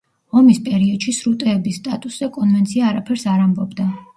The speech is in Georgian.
ომის პერიოდში სრუტეების სტატუსზე კონვენცია არაფერს არ ამბობდა.